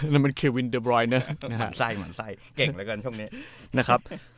นั่นมันเควินเดอร์บรอยเนอะหวังใสเก่งแล้วกันช่วงนี้นะครับ